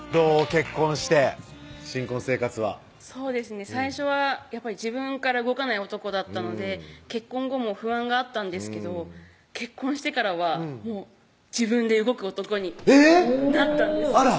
結婚して新婚生活はそうですね最初はやっぱり自分から動かない男だったので結婚後も不安があったんですけど結婚してからはもう自分で動く男になったんですあら